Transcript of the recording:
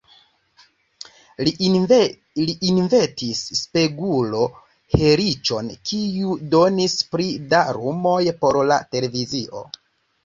Li inventis spegulo-helicon, kiu donis pli da lumoj por la televizio.